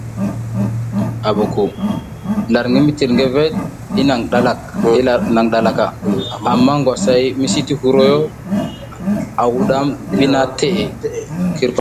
Lar mitirgeveɗ e naƞ ɗalak, amma ngwasay misi ti huruy o a wuɗam ɓi naha teʼe.